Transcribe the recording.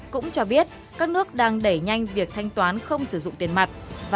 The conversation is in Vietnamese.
cũng cho biết các nước đang đẩy nhanh việc thanh toán không sử dụng tiền mặt